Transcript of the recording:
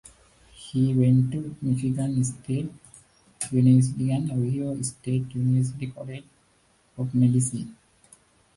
He went to Michigan State University and the Ohio State University College of Medicine.